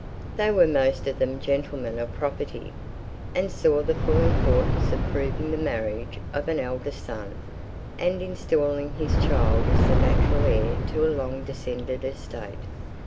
They were most of them gentlemen of property, and saw the full importance of proving the marriage of an eldest son, and installing his child as the natural heir to a long descended estate.